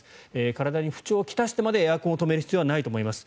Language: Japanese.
体に不調を来たしてまでエアコンを止める必要はないと思います。